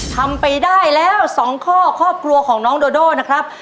ทำไปได้แล้ว๒ข้อครอบครัวของน้องโดโดนะครับ